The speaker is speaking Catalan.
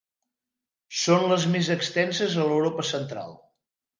Són les més extenses a l'Europa Central.